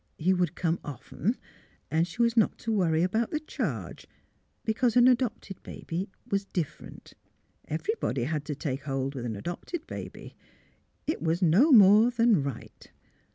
He would come often ; and she was not to worry about the charge, because an adopted baby was different. Every body had to take hold with an adopted baby. It was no more than right.